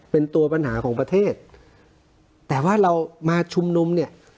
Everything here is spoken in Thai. เป็นตัวปัญหาของประเทศแต่ว่าเรามาชุมนุมเนี่ย